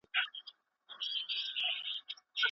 په هره قرآني قصه کي جلا کيفيتونه نغښتي دي.